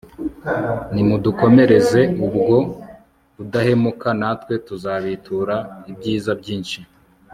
nimudukomereze ubwo budahemuka natwe tuzabitura ibyiza byinshi